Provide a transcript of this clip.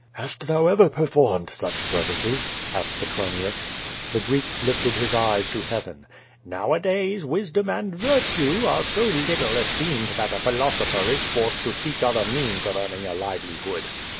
"Hast thou ever performed such services?" asked Petro nius. The Greek lifted his eyes to heaven. 'TTowadays wisdom and virtue are so little esteemed that a philosopher is forced to seek other means of earning a live lihood."